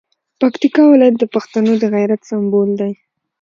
پکتیکا ولایت د پښتنو د غیرت سمبول دی.